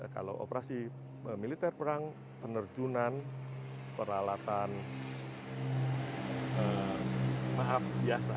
kalau operasi militer perang penerjunan peralatan maaf biasa